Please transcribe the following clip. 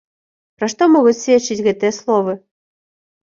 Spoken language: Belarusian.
Пра што могуць сведчыць гэтыя словы?